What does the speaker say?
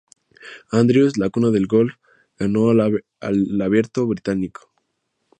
Andrews, la cuna del golf, ganó el Abierto Británico.